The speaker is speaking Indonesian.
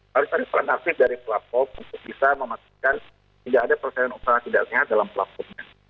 harus ada peran aktif dari platform untuk bisa memastikan tidak ada persaingan usaha tidak sehat dalam platformnya